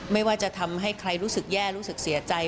ไม่ว่าจะทำให้ใครรู้สึกแย่รู้สึกเสียใจ